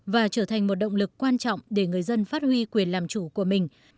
và trở thành một động lực quan trọng để người dân phát huy quyền làm chủ của mình